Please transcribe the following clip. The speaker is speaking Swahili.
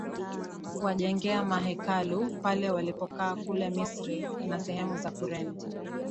kuwajengea mahekalu pale walipokaa Kule Misri na sehemu za Kurene